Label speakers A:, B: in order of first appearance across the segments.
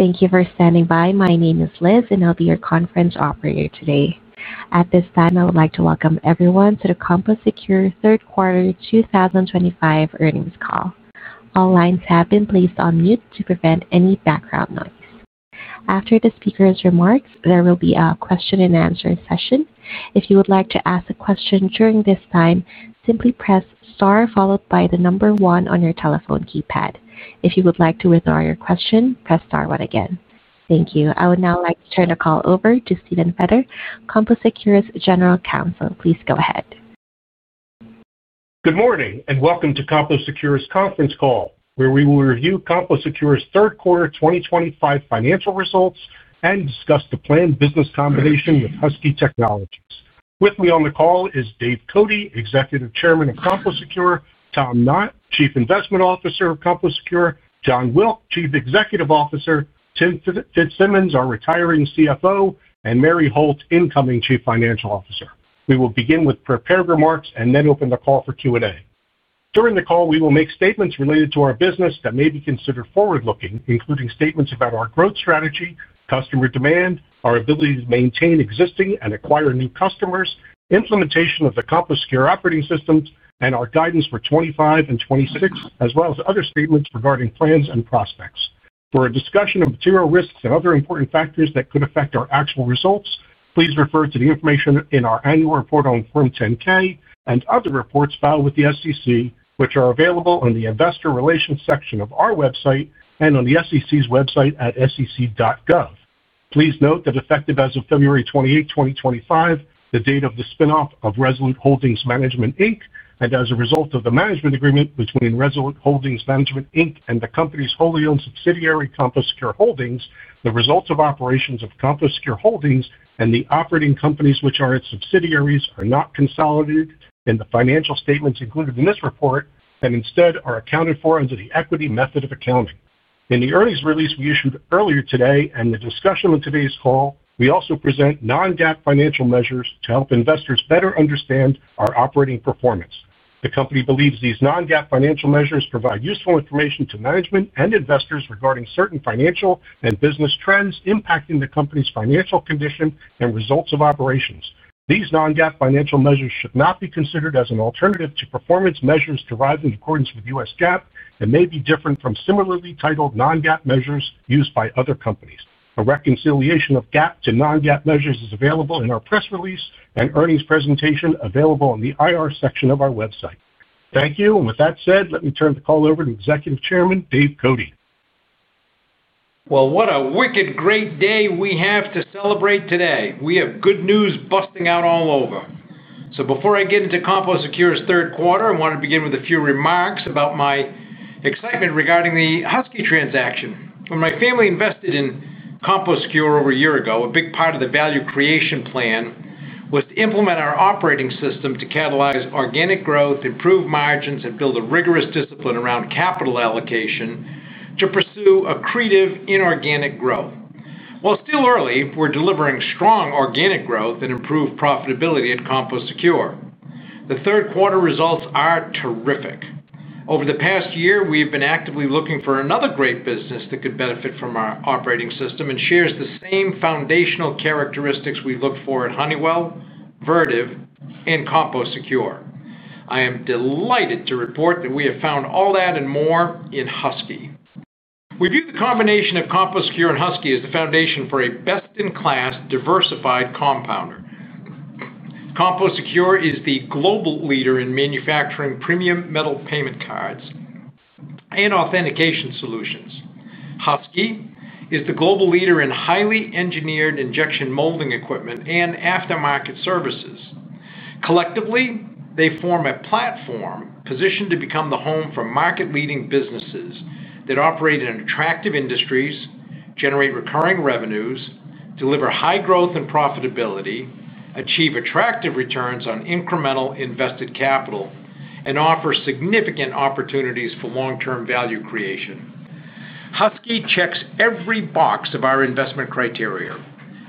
A: Thank you for standing by. My name is Liz, and I'll be your conference operator today. At this time, I would like to welcome everyone to the CompoSecure Third Quarter 2025 earnings call. All lines have been placed on mute to prevent any background noise. After the speaker's remarks, there will be a question-and-answer session. If you would like to ask a question during this time, simply press star followed by the number one on your telephone keypad. If you would like to withdraw your question, press star one again. Thank you. I would now like to turn the call over to Steven J. Feder, CompoSecure's General Counsel. Please go ahead.
B: Good morning and welcome to CompoSecure's conference call, where we will review CompoSecure's third quarter 2025 financial results and discuss the planned business combination with Husky Technologies. With me on the call is David M. Cote, Executive Chairman of CompoSecure; Tom Knott, Chief Investment Officer of CompoSecure; Jon Wilk, Chief Executive Officer; Timothy W. Fitzsimmons, our retiring Chief Financial Officer; and Mary Holt, incoming Chief Financial Officer. We will begin with prepared remarks and then open the call for Q&A. During the call, we will make statements related to our business that may be considered forward-looking, including statements about our growth strategy, customer demand, our ability to maintain existing and acquire new customers, implementation of the CompoSecure Operating System, and our guidance for 2025 and 2026, as well as other statements regarding plans and prospects. For a discussion of material risks and other important factors that could affect our actual results, please refer to the information in our annual report on Form 10-K and other reports filed with the SEC, which are available on the Investor Relations section of our website and on the SEC's website at sec.gov. Please note that effective as of February 28, 2025, the date of the spinoff of Resolute Holdings Management, and as a result of the management agreement between Resolute Holdings Management and the company's wholly-owned subsidiary, CompoSecure Holdings, the results of operations of CompoSecure Holdings and the operating companies which are its subsidiaries are not consolidated in the financial statements included in this report and instead are accounted for under the equity method of accounting. In the earnings release we issued earlier today and the discussion on today's call, we also present non-GAAP financial measures to help investors better understand our operating performance. The company believes these non-GAAP financial measures provide useful information to management and investors regarding certain financial and business trends impacting the company's financial condition and results of operations. These non-GAAP financial measures should not be considered as an alternative to performance measures derived in accordance with U.S. GAAP and may be different from similarly titled non-GAAP measures used by other companies. A reconciliation of GAAP to non-GAAP measures is available in our press release and earnings presentation available on the IR section of our website. Thank you. With that said, let me turn the call over to Executive Chairman David M. Cote.
C: What a wicked great day we have to celebrate today. We have good news busting out all over. Before I get into CompoSecure's third quarter, I want to begin with a few remarks about my excitement regarding the Husky transaction. When my family invested in CompoSecure over a year ago, a big part of the value creation plan was to implement our operating system to catalyze organic growth, improve margins, and build a rigorous discipline around capital allocation to pursue accretive inorganic growth. While still early, we're delivering strong organic growth and improved profitability at CompoSecure. The third quarter results are terrific. Over the past year, we have been actively looking for another great business that could benefit from our operating system and shares the same foundational characteristics we look for at Honeywell, Vertiv, and CompoSecure. I am delighted to report that we have found all that and more in Husky. We view the combination of CompoSecure and Husky as the foundation for a best-in-class, diversified compounder. CompoSecure is the global leader in manufacturing premium metal payment cards and authentication solutions. Husky is the global leader in highly engineered injection molding equipment and aftermarket services. Collectively, they form a platform positioned to become the home for market-leading businesses that operate in attractive industries, generate recurring revenues, deliver high growth and profitability, achieve attractive returns on incremental invested capital, and offer significant opportunities for long-term value creation. Husky checks every box of our investment criteria.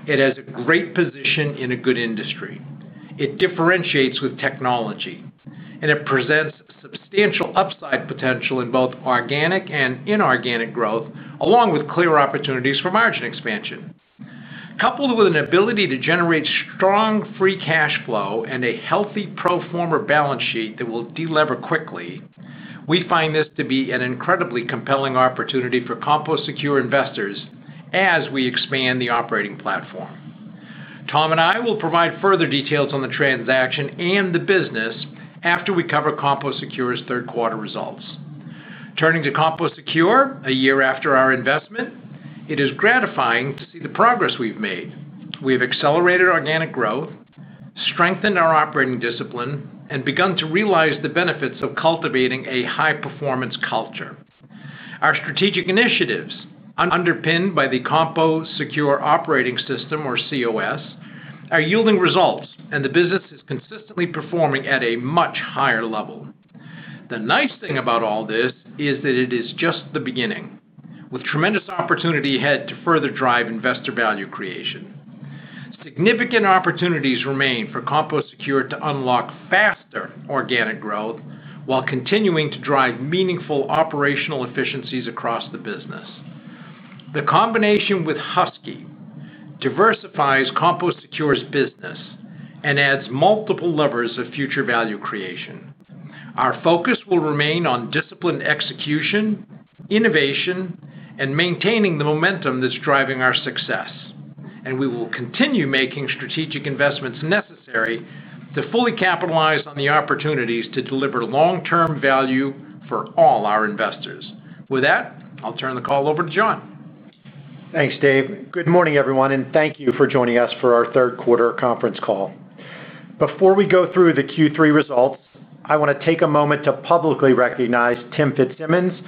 C: It has a great position in a good industry. It differentiates with technology, and it presents substantial upside potential in both organic and inorganic growth, along with clear opportunities for margin expansion. Coupled with an ability to generate strong free cash flow and a healthy pro forma balance sheet that will deliver quickly, we find this to be an incredibly compelling opportunity for CompoSecure investors as we expand the operating platform. Tom and I will provide further details on the transaction and the business after we cover CompoSecure's third quarter results. Turning to CompoSecure, a year after our investment, it is gratifying to see the progress we've made. We have accelerated organic growth, strengthened our operating discipline, and begun to realize the benefits of cultivating a high-performance culture. Our strategic initiatives, underpinned by the CompoSecure Operating System, or COS, are yielding results, and the business is consistently performing at a much higher level. The nice thing about all this is that it is just the beginning, with tremendous opportunity ahead to further drive investor value creation. Significant opportunities remain for CompoSecure to unlock faster organic growth while continuing to drive meaningful operational efficiencies across the business. The combination with Husky diversifies CompoSecure's business and adds multiple levers of future value creation. Our focus will remain on discipline execution, innovation, and maintaining the momentum that's driving our success. We will continue making strategic investments necessary to fully capitalize on the opportunities to deliver long-term value for all our investors. With that, I'll turn the call over to Jon.
D: Thanks, Dave. Good morning, everyone, and thank you for joining us for our Third Quarter conference call. Before we go through the Q3 results, I want to take a moment to publicly recognize Tim Fitzsimmons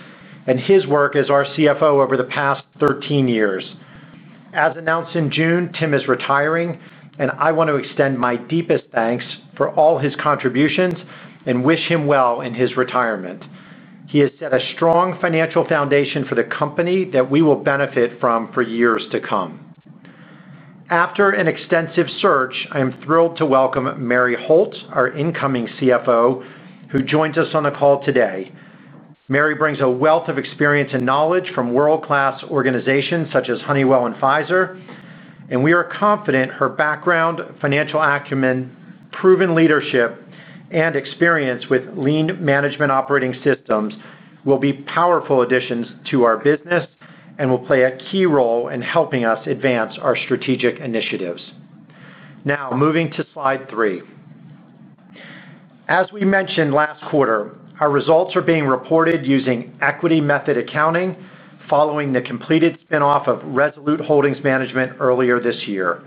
D: and his work as our CFO over the past 13 years. As announced in June, Tim is retiring, and I want to extend my deepest thanks for all his contributions and wish him well in his retirement. He has set a strong financial foundation for the company that we will benefit from for years to come. After an extensive search, I am thrilled to welcome Mary Holt, our incoming CFO, who joins us on the call today. Mary brings a wealth of experience and knowledge from world-class organizations such as Honeywell and Pfizer, and we are confident her background, financial acumen, proven leadership, and experience with lean management operating systems will be powerful additions to our business and will play a key role in helping us advance our strategic initiatives. Now, moving to slide three. As we mentioned last quarter, our results are being reported using equity method accounting following the completed spinoff of Resolute Holdings Management earlier this year.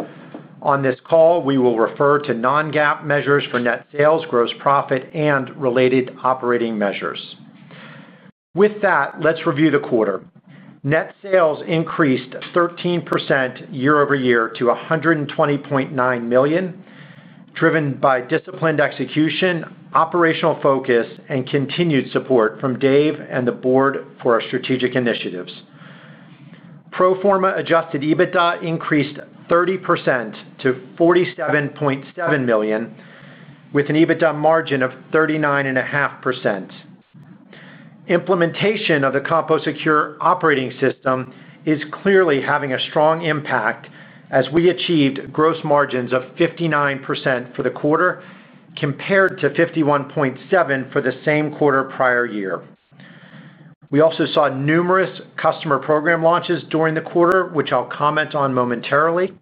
D: On this call, we will refer to non-GAAP measures for net sales, gross profit, and related operating measures. With that, let's review the quarter. Net sales increased 13% year over year to $120.9 million, driven by disciplined execution, operational focus, and continued support from Dave and the board for our strategic initiatives. Pro forma adjusted EBITDA increased 30% to $47.7 million, with an EBITDA margin of 39.5%. Implementation of the CompoSecure Operating System is clearly having a strong impact as we achieved gross margins of 59% for the quarter compared to 51.7% for the same quarter prior year. We also saw numerous customer program launches during the quarter, which I'll comment on momentarily.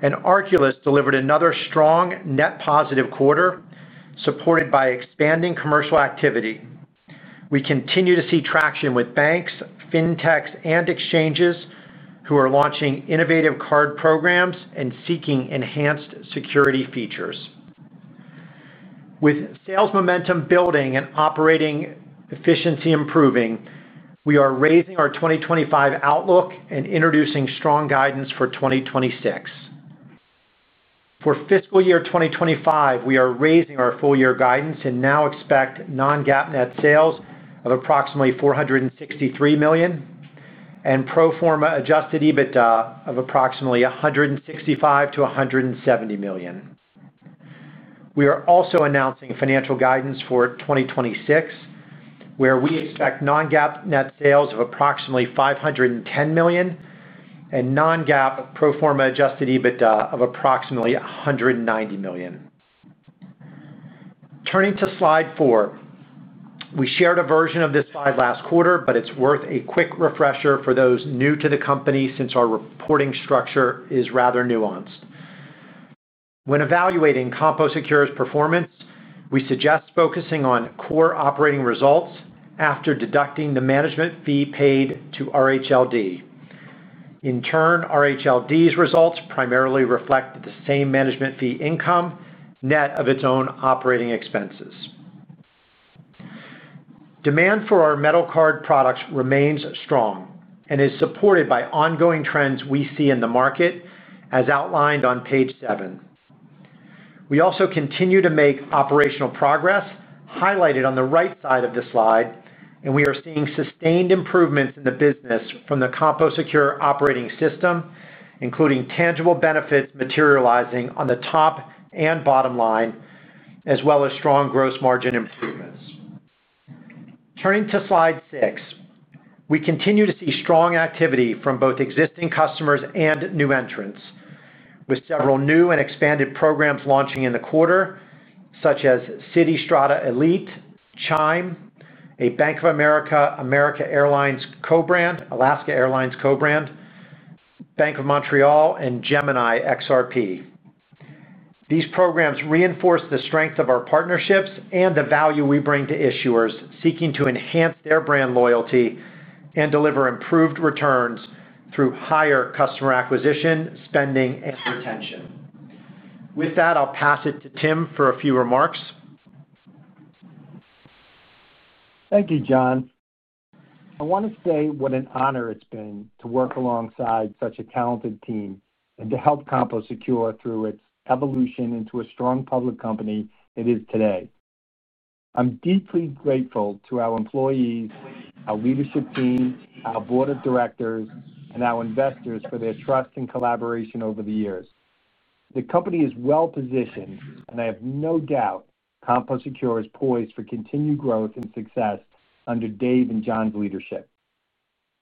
D: Arculus delivered another strong net positive quarter, supported by expanding commercial activity. We continue to see traction with banks, fintechs, and exchanges who are launching innovative card programs and seeking enhanced security features. With sales momentum building and operating efficiency improving, we are raising our 2025 outlook and introducing strong guidance for 2026. For fiscal year 2025, we are raising our full-year guidance and now expect non-GAAP net sales of approximately $463 million and pro forma adjusted EBITDA of approximately $165-$170 million. We are also announcing financial guidance for 2026, where we expect non-GAAP net sales of approximately $510 million and non-GAAP pro forma adjusted EBITDA of approximately $190 million. Turning to slide four. We shared a version of this slide last quarter, but it is worth a quick refresher for those new to the company since our reporting structure is rather nuanced. When evaluating CompoSecure's performance, we suggest focusing on core operating results after deducting the management fee paid to RHLD. In turn, RHLD's results primarily reflect the same management fee income net of its own operating expenses. Demand for our metal card products remains strong and is supported by ongoing trends we see in the market, as outlined on page seven. We also continue to make operational progress, highlighted on the right side of the slide, and we are seeing sustained improvements in the business from the CompoSecure Operating System, including tangible benefits materializing on the top and bottom line, as well as strong gross margin improvements. Turning to slide six, we continue to see strong activity from both existing customers and new entrants, with several new and expanded programs launching in the quarter, such as Citi Strata Elite, Chime, a Bank of America/American Airlines co-brand, Alaska Airlines co-brand, Bank of Montreal, and Gemini XRP. These programs reinforce the strength of our partnerships and the value we bring to issuers seeking to enhance their brand loyalty and deliver improved returns through higher customer acquisition, spending, and retention. With that, I'll pass it to Tim for a few remarks.
E: Thank you, Jon.I want to say what an honor it's been to work alongside such a talented team and to help CompoSecure through its evolution into a strong public company it is today. I'm deeply grateful to our employees, our leadership team, our board of directors, and our investors for their trust and collaboration over the years. The company is well positioned, and I have no doubt CompoSecure is poised for continued growth and success under Dave and Jon's leadership.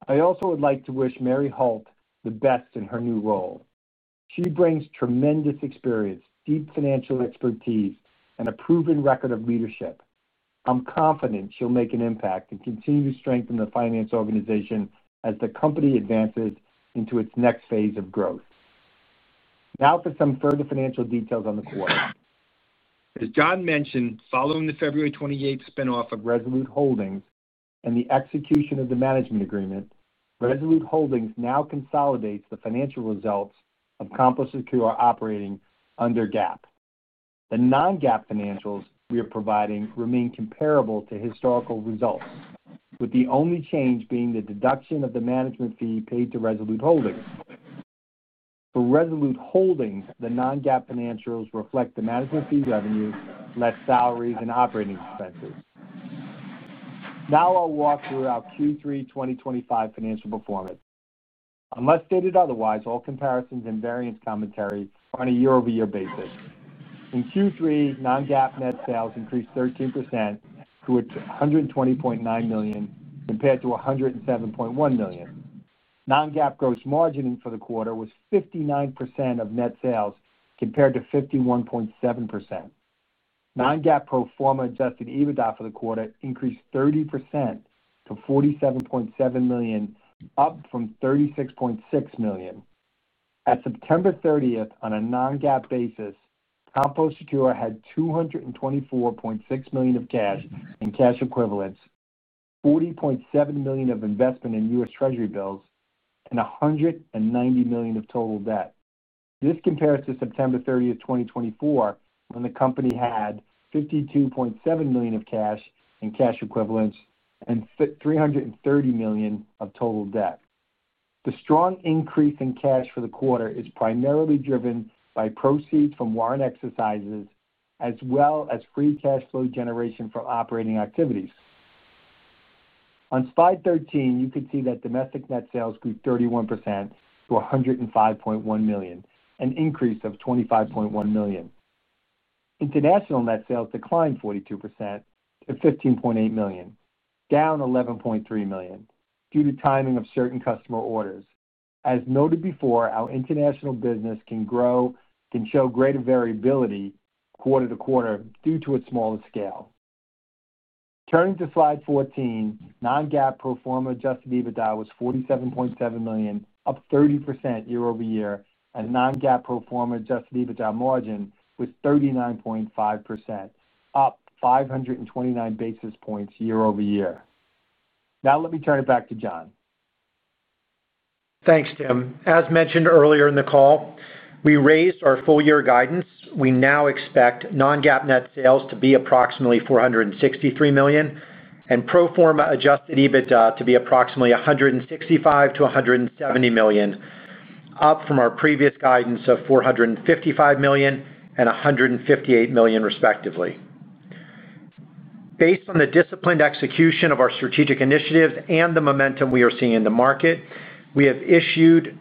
E: I also would like to wish Mary Holt the best in her new role. She brings tremendous experience, deep financial expertise, and a proven record of leadership. I'm confident she'll make an impact and continue to strengthen the finance organization as the company advances into its next phase of growth. Now for some further financial details on the quarter. As Jon mentioned, following the February 28th spinoff of Resolute Holdings and the execution of the management agreement, Resolute Holdings now consolidates the financial results of CompoSecure operating under GAAP. The non-GAAP financials we are providing remain comparable to historical results, with the only change being the deduction of the management fee paid to Resolute Holdings. For Resolute Holdings, the non-GAAP financials reflect the management fee revenue, less salaries, and operating expenses. Now I'll walk through our Q3 2025 financial performance. Unless stated otherwise, all comparisons and variance commentary are on a year-over-year basis. In Q3, non-GAAP net sales increased 13% to $120.9 million compared to $107.1 million. Non-GAAP gross margin for the quarter was 59% of net sales compared to 51.7%. Non-GAAP pro forma adjusted EBITDA for the quarter increased 30% to $47.7 million, up from $36.6 million. At September 30th, on a non-GAAP basis, CompoSecure had $224.6 million of cash and cash equivalents, $40.7 million of investment in U.S. Treasury bills, and $190 million of total debt. This compares to September 30th, 2024, when the company had $52.7 million of cash and cash equivalents and $330 million of total debt. The strong increase in cash for the quarter is primarily driven by proceeds from warrant exercises as well as free cash flow generation from operating activities. On slide 13, you can see that domestic net sales grew 31% to $105.1 million, an increase of $25.1 million. International net sales declined 42% to $15.8 million, down $11.3 million due to timing of certain customer orders. As noted before, our international business can show greater variability quarter to quarter due to its smaller scale. Turning to slide 14, non-GAAP pro forma adjusted EBITDA was $47.7 million, up 30% year over year, and non-GAAP pro forma adjusted EBITDA margin was 39.5%, up 529 basis points year over year. Now let me turn it back to Jon.
D: Thanks, Tim. As mentioned earlier in the call, we raised our full-year guidance. We now expect non-GAAP net sales to be approximately $463 million and pro forma adjusted EBITDA to be approximately $165-$170 million, up from our previous guidance of $455 million and $158 million, respectively. Based on the disciplined execution of our strategic initiatives and the momentum we are seeing in the market, we have issued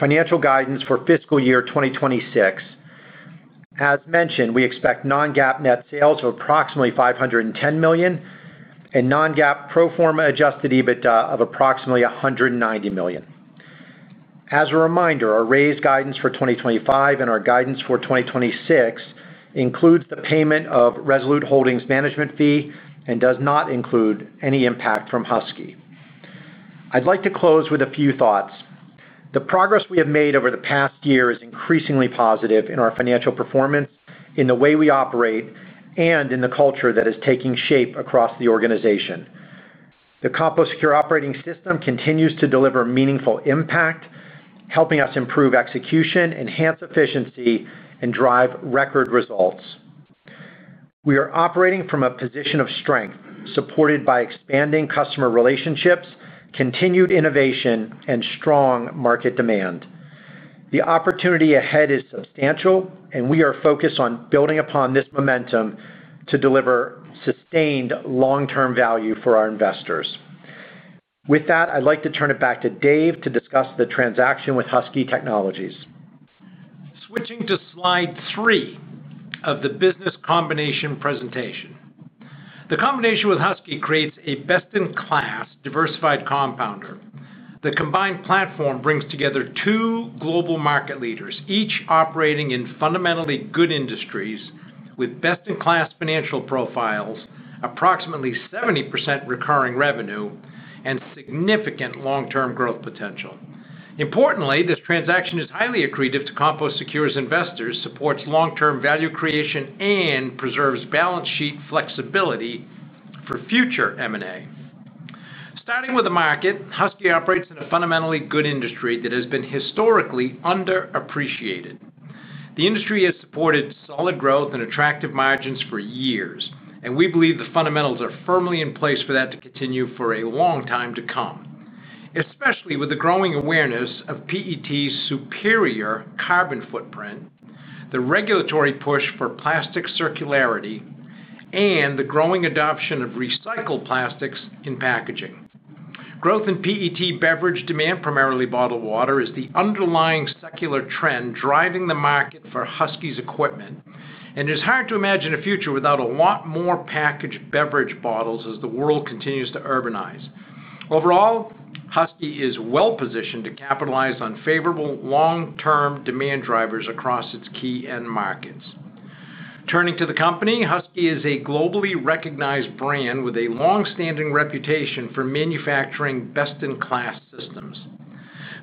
D: financial guidance for fiscal year 2026. As mentioned, we expect non-GAAP net sales of approximately $510 million and non-GAAP pro forma adjusted EBITDA of approximately $190 million. As a reminder, our raised guidance for 2025 and our guidance for 2026 includes the payment of Resolute Holdings Management Fee and does not include any impact from Husky. I'd like to close with a few thoughts. The progress we have made over the past year is increasingly positive in our financial performance, in the way we operate, and in the culture that is taking shape across the organization. The CompoSecure Operating System continues to deliver meaningful impact, helping us improve execution, enhance efficiency, and drive record results. We are operating from a position of strength, supported by expanding customer relationships, continued innovation, and strong market demand. The opportunity ahead is substantial, and we are focused on building upon this momentum to deliver sustained long-term value for our investors. With that, I'd like to turn it back to Dave to discuss the transaction with Husky Technologies.
C: Switching to slide three of the business combination presentation. The combination with Husky creates a best-in-class diversified compounder. The combined platform brings together two global market leaders, each operating in fundamentally good industries with best-in-class financial profiles, approximately 70% recurring revenue, and significant long-term growth potential. Importantly, this transaction is highly accretive to CompoSecure's investors, supports long-term value creation, and preserves balance sheet flexibility for future M&A. Starting with the market, Husky operates in a fundamentally good industry that has been historically underappreciated. The industry has supported solid growth and attractive margins for years, and we believe the fundamentals are firmly in place for that to continue for a long time to come, especially with the growing awareness of PET's superior carbon footprint, the regulatory push for plastic circularity, and the growing adoption of recycled plastics in packaging. Growth in PET beverage demand, primarily bottled water, is the underlying secular trend driving the market for Husky's equipment, and it is hard to imagine a future without a lot more packaged beverage bottles as the world continues to urbanize. Overall, Husky is well positioned to capitalize on favorable long-term demand drivers across its key end markets. Turning to the company, Husky is a globally recognized brand with a long-standing reputation for manufacturing best-in-class systems.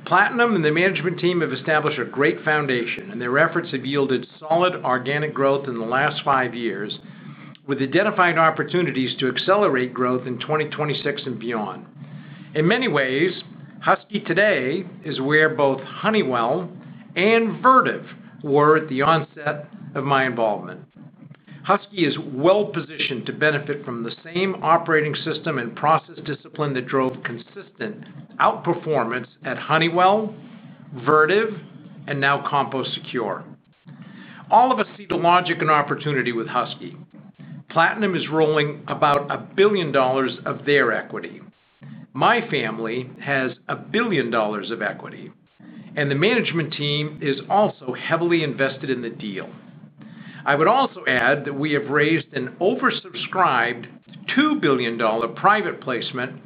C: Platinum and the management team have established a great foundation, and their efforts have yielded solid organic growth in the last five years, with identified opportunities to accelerate growth in 2026 and beyond. In many ways, Husky today is where both Honeywell and Vertiv were at the onset of my involvement. Husky is well positioned to benefit from the same operating system and process discipline that drove consistent outperformance at Honeywell, Vertiv, and now CompoSecure. All of us see the logic and opportunity with Husky. Platinum is rolling about a billion dollars of their equity. My family has a billion dollars of equity, and the management team is also heavily invested in the deal. I would also add that we have raised an oversubscribed $2 billion of private placement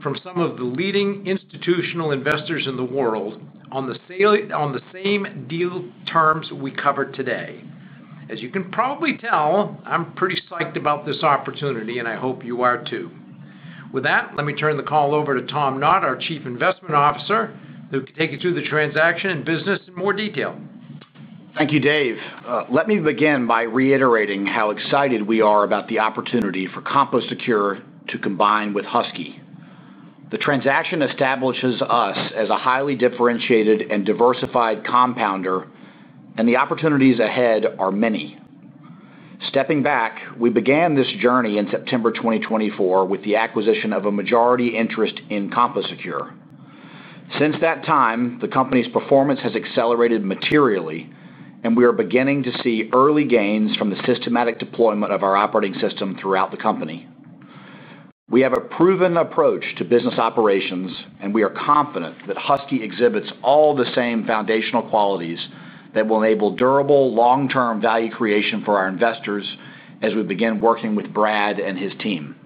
C: from some of the leading institutional investors in the world on the same deal terms we covered today. As you can probably tell, I'm pretty psyched about this opportunity, and I hope you are too. With that, let me turn the call over to Tom Knott, our Chief Investment Officer, who can take you through the transaction and business in more detail.
F: Thank you, Dave. Let me begin by reiterating how excited we are about the opportunity for CompoSecure to combine with Husky. The transaction establishes us as a highly differentiated and diversified compounder, and the opportunities ahead are many. Stepping back, we began this journey in September 2024 with the acquisition of a majority interest in CompoSecure. Since that time, the company's performance has accelerated materially, and we are beginning to see early gains from the systematic deployment of our operating system throughout the company. We have a proven approach to business operations, and we are confident that Husky exhibits all the same foundational qualities that will enable durable, long-term value creation for our investors as we begin working with Brad and his team.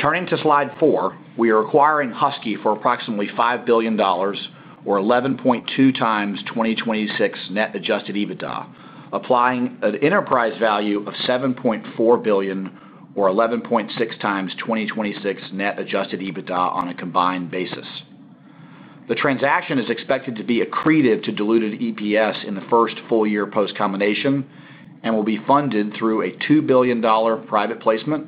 F: Turning to slide four, we are acquiring Husky for approximately $5 billion, or 11.2 times 2026 net adjusted EBITDA, applying an enterprise value of $7.4 billion, or 11.6 times 2026 net adjusted EBITDA on a combined basis. The transaction is expected to be accretive to diluted EPS in the first full year post-combination and will be funded through a $2 billion private placement,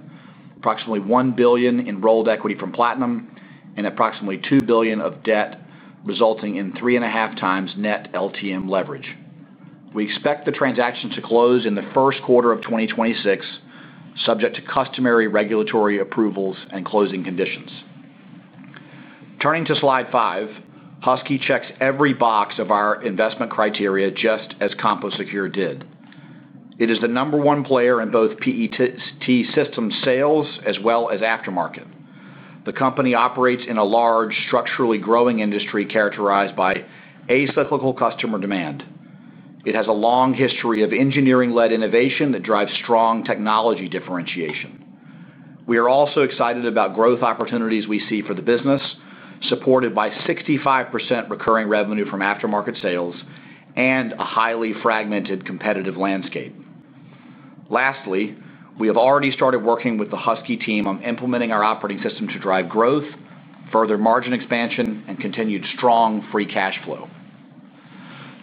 F: approximately $1 billion in rolled equity from Platinum, and approximately $2 billion of debt, resulting in three and a half times net LTM leverage. We expect the transaction to close in the first quarter of 2026, subject to customary regulatory approvals and closing conditions. Turning to slide five, Husky checks every box of our investment criteria just as CompoSecure did. It is the number one player in both PET system sales as well as aftermarket. The company operates in a large, structurally growing industry characterized by acyclical customer demand. It has a long history of engineering-led innovation that drives strong technology differentiation. We are also excited about growth opportunities we see for the business, supported by 65% recurring revenue from aftermarket sales and a highly fragmented competitive landscape. Lastly, we have already started working with the Husky team on implementing our operating system to drive growth, further margin expansion, and continued strong free cash flow.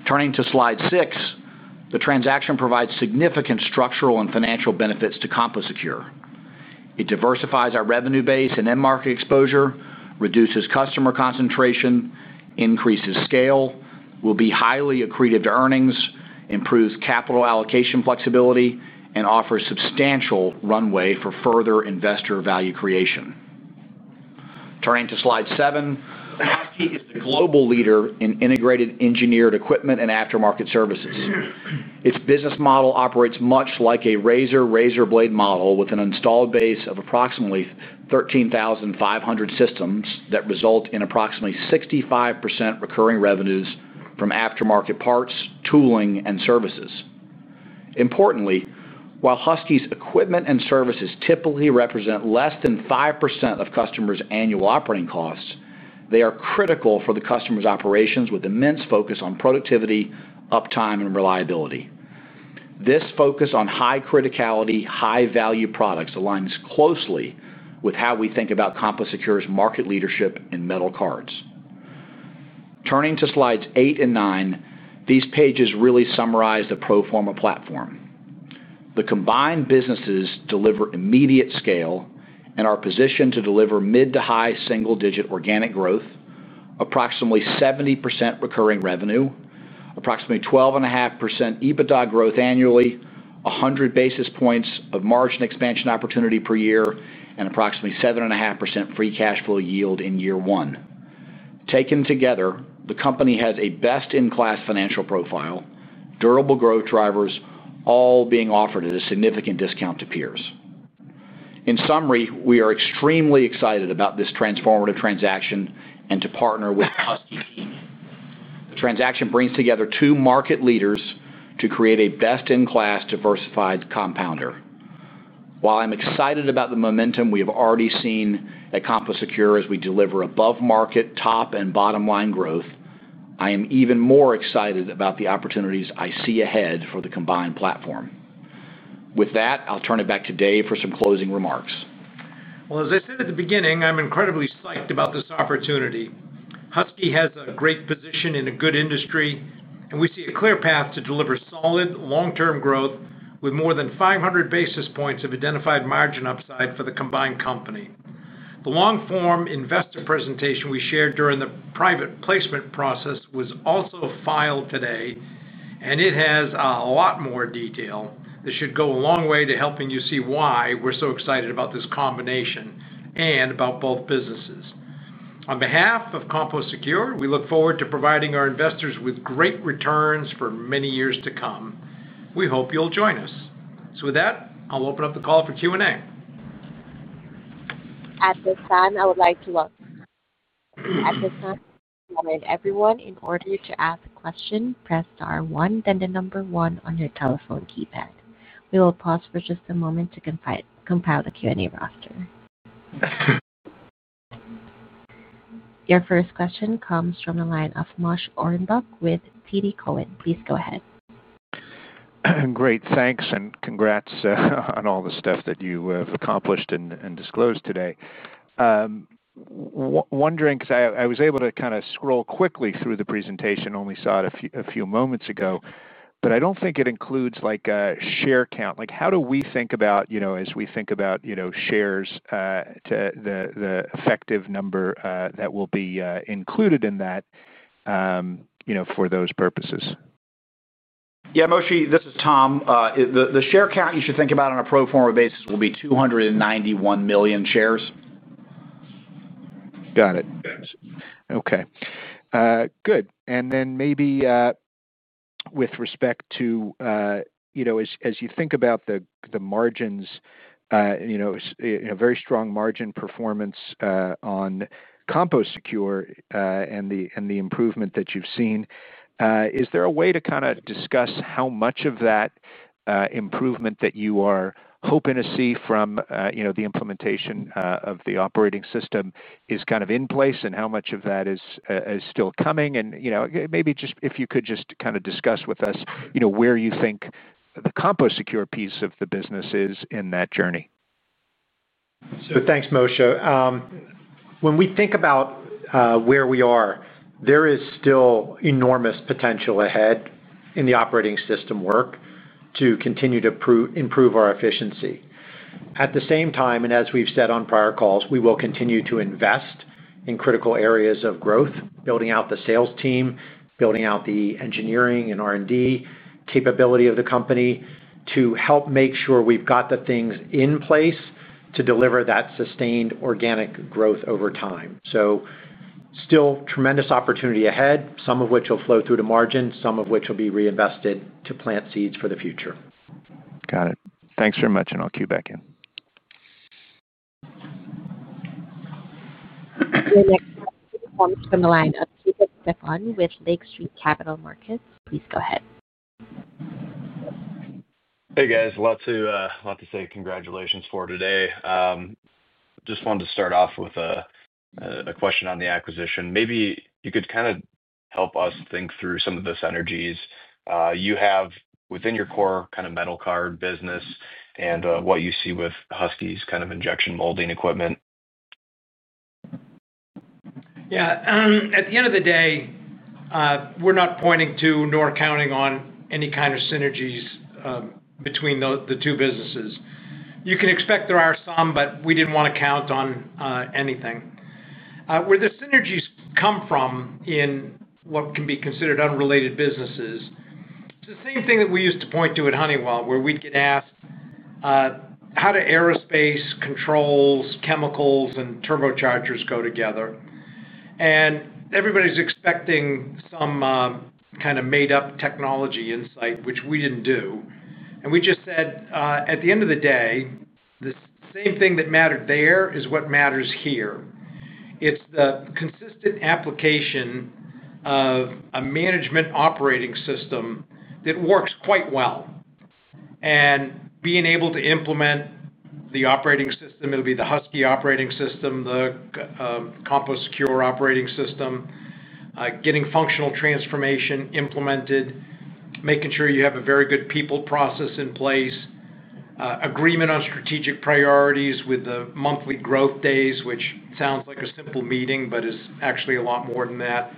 F: Turning to slide six, the transaction provides significant structural and financial benefits to CompoSecure. It diversifies our revenue base and end market exposure, reduces customer concentration, increases scale, will be highly accretive to earnings, improves capital allocation flexibility, and offers substantial runway for further investor value creation. Turning to slide seven, Husky is the global leader in integrated engineered equipment and aftermarket services. Its business model operates much like a razor-razor blade model with an installed base of approximately 13,500 systems that result in approximately 65% recurring revenues from aftermarket parts, tooling, and services. Importantly, while Husky's equipment and services typically represent less than 5% of customers' annual operating costs, they are critical for the customer's operations with immense focus on productivity, uptime, and reliability. This focus on high criticality, high-value products aligns closely with how we think about CompoSecure's market leadership in metal cards. Turning to slides eight and nine, these pages really summarize the pro forma platform. The combined businesses deliver immediate scale and are positioned to deliver mid to high single-digit organic growth, approximately 70% recurring revenue, approximately 12.5% EBITDA growth annually, 100 basis points of margin expansion opportunity per year, and approximately 7.5% free cash flow yield in year one. Taken together, the company has a best-in-class financial profile, durable growth drivers, all being offered at a significant discount to peers. In summary, we are extremely excited about this transformative transaction and to partner with the Husky team. The transaction brings together two market leaders to create a best-in-class diversified compounder. While I'm excited about the momentum we have already seen at CompoSecure as we deliver above-market, top, and bottom-line growth, I am even more excited about the opportunities I see ahead for the combined platform. With that, I'll turn it back to Dave for some closing remarks.
C: As I said at the beginning, I'm incredibly psyched about this opportunity. Husky has a great position in a good industry, and we see a clear path to deliver solid long-term growth with more than 500 basis points of identified margin upside for the combined company. The long-form investor presentation we shared during the private placement process was also filed today, and it has a lot more detail that should go a long way to helping you see why we're so excited about this combination and about both businesses. On behalf of CompoSecure, we look forward to providing our investors with great returns for many years to come. We hope you'll join us. With that, I'll open up the call for Q&A.
A: At this time, I would like to welcome. At this time, I will invite everyone in order to ask a question, press star one, then the number one on your telephone keypad. We will pause for just a moment to compile the Q&A roster. Your first question comes from the line of Moshe Ari Orenbuch with TD Cowen. Please go ahead.
G: Great. Thanks and congrats on all the stuff that you have accomplished and disclosed today. Wondering, because I was able to kind of scroll quickly through the presentation, only saw it a few moments ago, but I do not think it includes a share count. How do we think about, as we think about shares, the effective number that will be included in that for those purposes?
F: Yeah, Moshe, this is Tom. The share count you should think about on a pro forma basis will be 291 million shares.
G: Got it. Okay. Good. Maybe with respect to, as you think about the margins, a very strong margin performance on CompoSecure and the improvement that you've seen, is there a way to kind of discuss how much of that improvement that you are hoping to see from the implementation of the operating system is kind of in place and how much of that is still coming? Maybe just if you could just kind of discuss with us where you think the CompoSecure piece of the business is in that journey.
D: Thanks, Moshe. When we think about where we are, there is still enormous potential ahead in the operating system work to continue to improve our efficiency. At the same time, and as we've said on prior calls, we will continue to invest in critical areas of growth, building out the sales team, building out the engineering and R&D capability of the company to help make sure we've got the things in place to deliver that sustained organic growth over time. Still tremendous opportunity ahead, some of which will flow through to margin, some of which will be reinvested to plant seeds for the future.
G: Got it. Thanks very much, and I'll cue back in.
A: Next up, we have Tom from the line of Peter Stefan with Lake Street Capital Markets. Please go ahead.
H: Hey, guys. A lot to say. Congratulations for today. Just wanted to start off with a question on the acquisition. Maybe you could kind of help us think through some of those synergies you have within your core kind of metal card business and what you see with Husky's kind of injection molding equipment.
D: Yeah. At the end of the day. We're not pointing to nor counting on any kind of synergies. Between the two businesses. You can expect there are some, but we didn't want to count on anything. Where the synergies come from in what can be considered unrelated businesses is the same thing that we used to point to at Honeywell, where we'd get asked. How do aerospace controls, chemicals, and turbochargers go together? Everybody's expecting some kind of made-up technology insight, which we didn't do. We just said, at the end of the day. The same thing that mattered there is what matters here. It's the consistent application of a management operating system that works quite well. Being able to implement the operating system, it'll be the Husky operating system, the CompoSecure Operating System, getting functional transformation implemented, making sure you have a very good people process in place, agreement on strategic priorities with the monthly growth days, which sounds like a simple meeting, but is actually a lot more than that.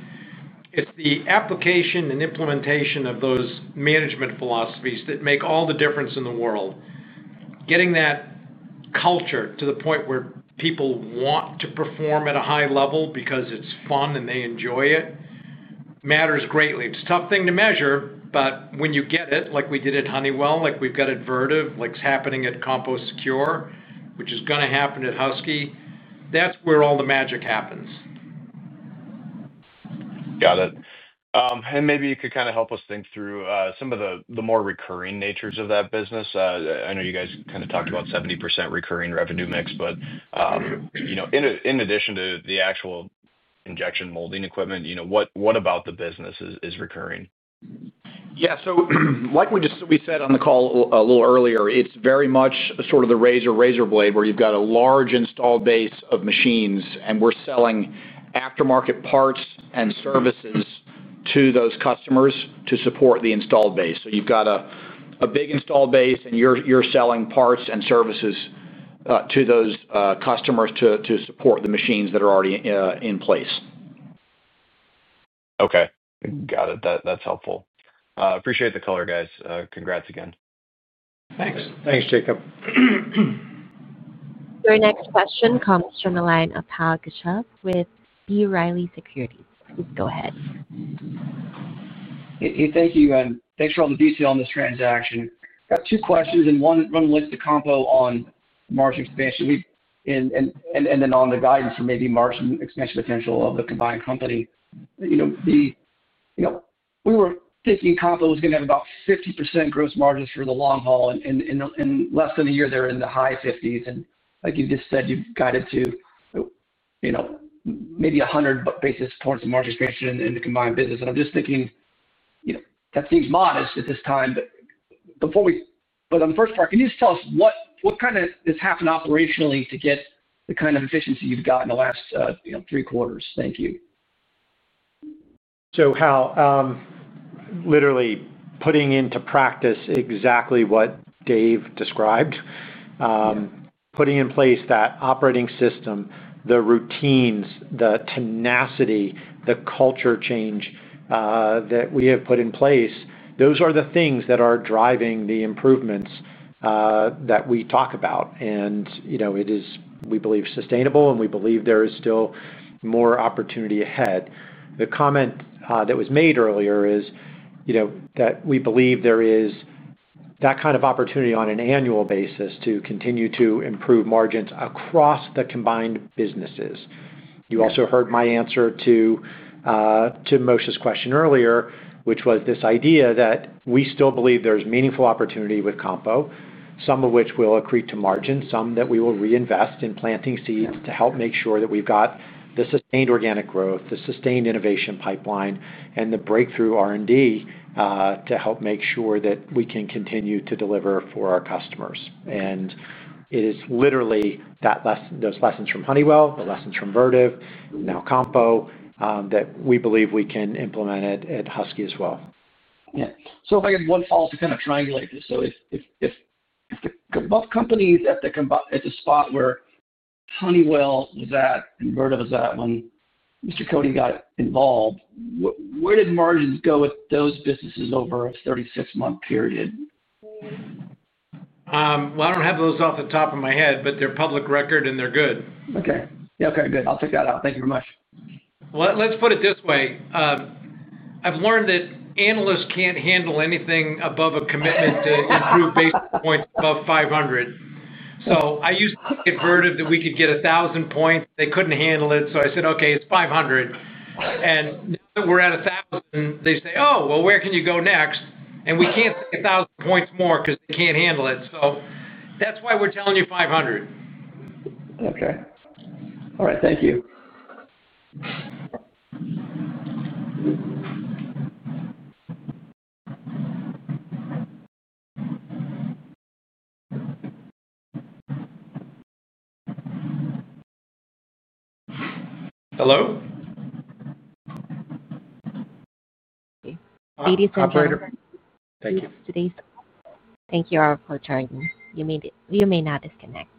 D: It's the application and implementation of those management philosophies that make all the difference in the world. Getting that culture to the point where people want to perform at a high level because it's fun and they enjoy it. Matters greatly. It's a tough thing to measure, but when you get it, like we did at Honeywell, like we've got at Vertiv, like it's happening at CompoSecure, which is going to happen at Husky, that's where all the magic happens.
I: Got it. Maybe you could kind of help us think through some of the more recurring natures of that business. I know you guys kind of talked about 70% recurring revenue mix, but. In addition to the actual injection molding equipment, what about the business is recurring?
F: Yeah. Like we said on the call a little earlier, it's very much sort of the razor-razor blade where you've got a large installed base of machines, and we're selling aftermarket parts and services to those customers to support the installed base. You've got a big installed base, and you're selling parts and services to those customers to support the machines that are already in place.
I: Okay. Got it. That's helpful. Appreciate the color, guys. Congrats again.
D: Thanks. Thanks, Jacob.
A: Your next question comes from the line of Paul Gichev with B. Riley Securities. Please go ahead.
J: Hey, thank you. And thanks for all the detail on this transaction. I've got two questions, and one relates to Compo on margin expansion. And then on the guidance for maybe margin expansion potential of the combined company. We were thinking Compo was going to have about 50% gross margins for the long haul, and in less than a year, they're in the high 50s. And like you just said, you've guided to maybe 100 basis points of margin expansion in the combined business. And I'm just thinking that seems modest at this time. But on the first part, can you just tell us what kind of has happened operationally to get the kind of efficiency you've got in the last three quarters? Thank you.
D: How? Literally putting into practice exactly what Dave described. Putting in place that operating system, the routines, the tenacity, the culture change that we have put in place, those are the things that are driving the improvements that we talk about. It is, we believe, sustainable, and we believe there is still more opportunity ahead. The comment that was made earlier is that we believe there is that kind of opportunity on an annual basis to continue to improve margins across the combined businesses. You also heard my answer to Moshe's question earlier, which was this idea that we still believe there's meaningful opportunity with Compo, some of which will accrete to margin, some that we will reinvest in planting seeds to help make sure that we've got the sustained organic growth, the sustained innovation pipeline, and the breakthrough R&D to help make sure that we can continue to deliver for our customers. It is literally those lessons from Honeywell, the lessons from Vertiv, now Compo, that we believe we can implement at Husky as well.
J: Yeah. So if I had one thought to kind of triangulate this. If both companies at the spot where Honeywell was at and Vertiv was at when Mr. Cote got involved, where did margins go with those businesses over a 36-month period?
D: I don't have those off the top of my head, but they're public record and they're good.
J: Okay. Yeah. Okay. Good. I'll take that out. Thank you very much.
D: Let's put it this way. I've learned that analysts can't handle anything above a commitment to improve basis points above 500. I used to think at Vertiv that we could get 1,000 basis points. They couldn't handle it. I said, "Okay, it's 500." Now that we're at 1,000, they say, "Oh, well, where can you go next?" We can't take 1,000 basis points more because they can't handle it. That's why we're telling you 500.
J: Okay. All right. Thank you.
D: Hello?
A: 80%.
D: Thank you.
A: Thank you all for joining. You may now disconnect.